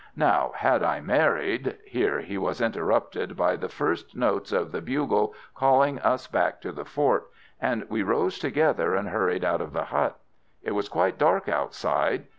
Now, had I married " Here he was interrupted by the first notes of the bugle calling us back to the fort, and we rose together and hurried out of the hut. It was quite dark outside.